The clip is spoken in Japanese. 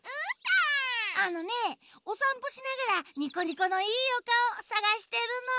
あのねおさんぽしながらニコニコのいいおかおさがしてるの。